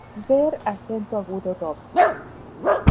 Ver acento agudo doble.